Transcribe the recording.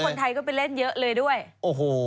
คนไทยก็ไปเล่นเยอะเลยด้วยโอ้โห